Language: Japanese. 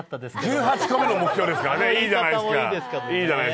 １８個目の目標ですからね、いいじゃないですか。